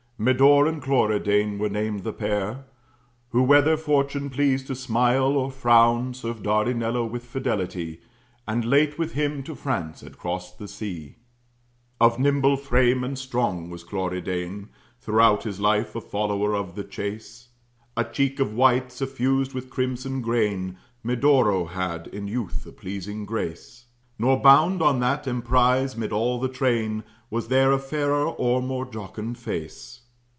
Medore and Cloridane were named the pair; Who, whether Fortune pleased to smile or frown, Served Dardinello with fidelity, And late with him to France had crost the sea. Of nimble frame and strong was Cloridane, Throughout his life a follower of the chase. A cheek of white, suffused with crimson grain, Medoro had, in youth, a pleasing grace; Nor bound on that emprize, 'mid all the train, Was there a fairer or more jocund face.